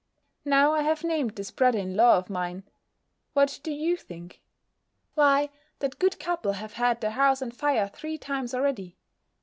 Now I have named this brother in law of mine; what do you think? Why, that good couple have had their house on fire three times already.